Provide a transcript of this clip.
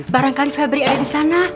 barangkali febri ada di sana